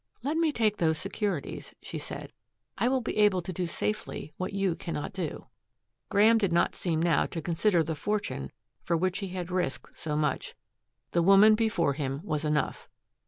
"Let me take those securities," she said. "I will be able to do safely what you cannot do." Graeme did not seem now to consider the fortune for which he had risked so much. The woman before him was enough.